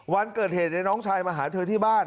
วันเกิดเหตุน้องชายมาหาเธอที่บ้าน